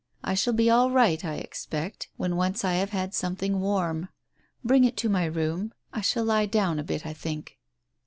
I shall be all right, I expect, when once I have had some thing warm. Bring it to my room. I shall lie down a bit, I think."